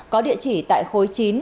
có địa chỉ tại khối chín